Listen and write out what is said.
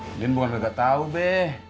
mungkin bukan kagak tau be